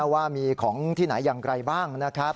ว่ามีของที่ไหนอย่างไรบ้างนะครับ